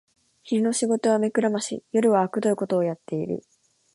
昼の仕事は目くらまし、夜はあくどいことをやってる